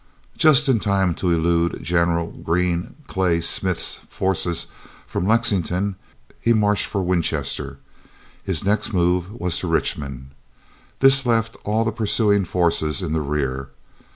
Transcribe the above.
Just in time to elude General Green Clay Smith's forces from Lexington, he marched for Winchester. His next move was to Richmond. This left all the pursuing forces in the rear.